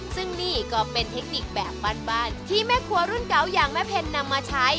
ซึ่งนี่ก็เป็นเทคนิคแบบบ้านที่แม่ครัวรุ่นเก่าอย่างแม่เพนนำมาใช้